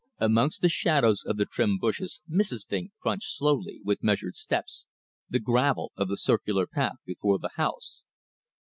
Amongst the shadows of the trimmed bushes Mrs. Vinck crunched slowly, with measured steps, the gravel of the circular path before the house.